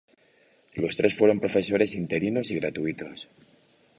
Los tres fueron profesores interinos y gratuitos.